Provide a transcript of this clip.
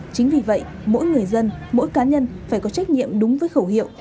chính vì vậy mỗi người dân mỗi cá nhân phải có trách nhiệm đúng với khẩu hiệu